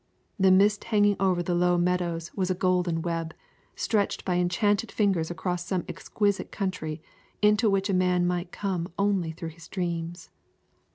The mist hanging over the low meadows was a golden web, stretched by enchanted fingers across some exquisite country into which a man might come only through his dreams.